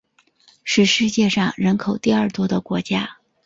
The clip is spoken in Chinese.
是世界上人口第二多的国家。